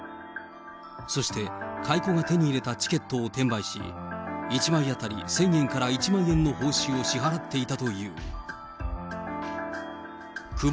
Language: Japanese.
そして、買い子が手に入れたチケットを転売し、１枚当たり１０００円から１万円の報酬を支払っていたという。